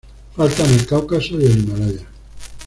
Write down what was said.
Falta en el Cáucaso y el Himalaya.